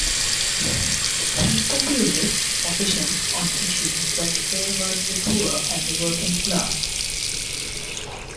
He populist positions on issues that favored the poor and the working class.